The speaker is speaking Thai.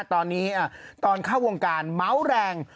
ตอนนี้ตอนเข้าวงการเมาส์แรง